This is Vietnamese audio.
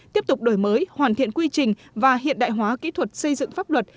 tiếp tục đổi mới hoàn thiện quy trình và hiện đại hóa kỹ thuật xây dựng pháp luật